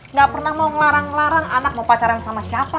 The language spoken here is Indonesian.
nggak pernah mau ngelarang larang anak mau pacaran sama siapa